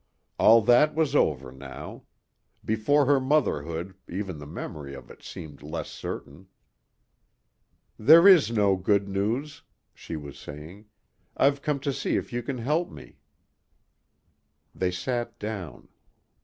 All that was over now. Before her motherhood, even the memory of it seemed less certain. "There is no good news," she was saying. "I've come to see if you can help me." They sat down.